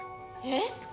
えっ！？